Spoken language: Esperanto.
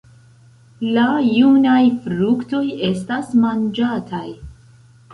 La junaj fruktoj estas manĝataj.